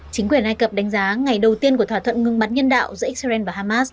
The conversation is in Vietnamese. chính quyền ai cập đánh giá ngày đầu tiên của thỏa thuận ngừng bắn nhân đạo giữa israel và hamas